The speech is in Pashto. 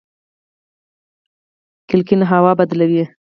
کړکۍ هوا بدلوي